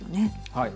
はい。